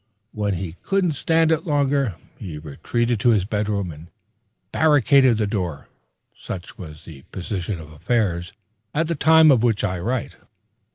When he couldn't stand it longer, he retreated to his bedroom and barricaded the door. Such was the position of affairs at the time of which I write.